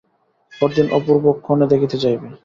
পরদিন অপূর্ব কনে দেখিতে যাইবে।